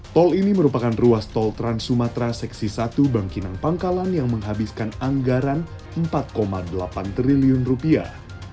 tol ini merupakan ruas tol trans sumatra seksi satu bangkinang pangkalan yang menghabiskan anggaran empat delapan triliun rupiah